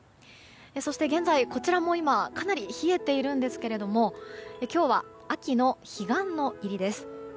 そして現在、こちらも今かなり冷えているんですが今日は秋の彼岸の入りです。